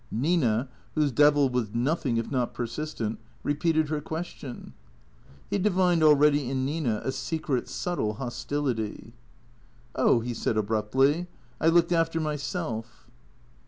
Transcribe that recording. Nina, whose devil was nothing if not persistent, repeated lier question. He divined already in Nina a secret, subtle hostility. " Oh," he said abruptly. " I looked after myself."